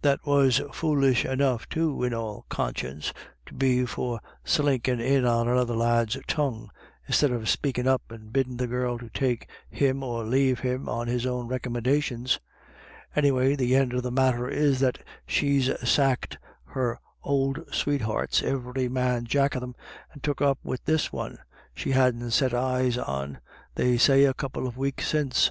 That was foolish enough too, in all conscience, to be for slinkin' in on another's lad's tongue, instead of spakin' up and biddin' the girl to take him or lave him on his own recomminda tions. Any way, the end of the matter is that she's sacked her ould sweethearts, ivery man jack of them, and took up wid this one, she hadn't set eyes on, they say, a couple of weeks since."